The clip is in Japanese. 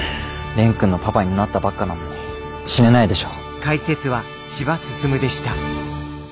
蓮くんのパパになったばっかなのに死ねないでしょ。